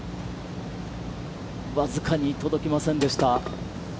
僅かに届きませんでした。